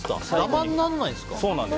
ダマにならないんですか。